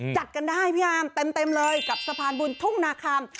จัดกันได้พี่อาร์มเต็มเลยกับสะพานบุญทุ่งนาคำ